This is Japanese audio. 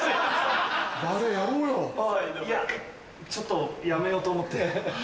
いやちょっとやめようと思って。